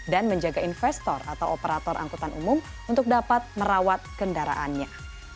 dan menjaga investor atau operator angkutan umum untuk dapat merawat kendaraannya